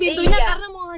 terima kasih banyak